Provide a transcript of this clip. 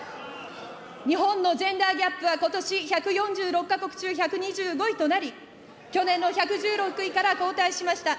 日本のジェンダーギャップはことし１４６か国中１２５位となり、去年の１６６位から後退しました。